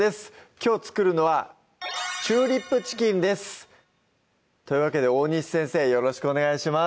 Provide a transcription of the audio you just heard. きょう作るのは「チューリップチキン」ですというわけで大西先生よろしくお願いします